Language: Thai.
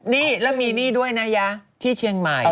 นี่แล้วมีนี่ด้วยนะยะที่เชียงใหม่